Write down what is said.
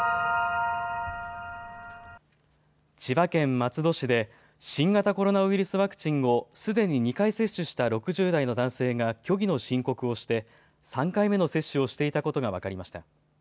千葉県松戸市で新型コロナウイルスワクチンをすでに２回接種した６０代の男性が虚偽の申告をして３回目の接種をしていたことが分かりました。